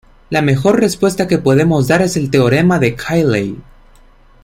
La mejor respuesta que podemos dar es el teorema de Cayley.